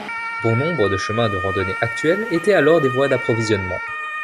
Bon nombre de chemins de randonnées actuels étaient alors des voies d'approvisionnement.